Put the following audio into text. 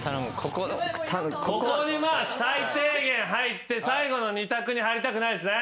ここに最低限入って最後の２択に入りたくないですね。